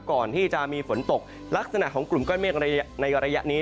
ก่อนที่จะมีฝนตกลักษณะของกลุ่มก้อนเมฆในระยะนี้